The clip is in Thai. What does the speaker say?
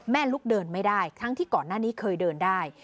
ลุกเดินไม่ได้ทั้งที่ก่อนหน้านี้เคยเดินได้